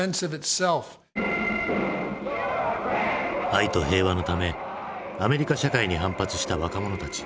愛と平和のためアメリカ社会に反発した若者たち。